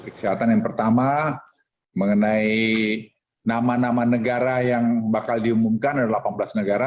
kesehatan yang pertama mengenai nama nama negara yang bakal diumumkan ada delapan belas negara